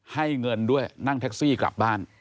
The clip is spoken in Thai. ให้เงินด้วยนั่งแท็กซี่กลับบ้าน